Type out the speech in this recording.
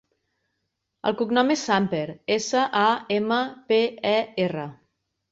El cognom és Samper: essa, a, ema, pe, e, erra.